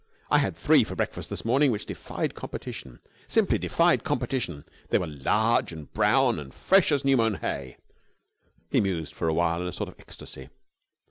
I had three for breakfast this morning which defied competition, simply defied competition. They were large and brown, and as fresh as new mown hay!" He mused for a while in a sort of ecstasy.